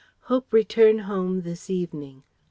Hope return home this evening.